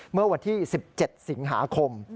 เมื่อวันที่๑๗สิงหาคม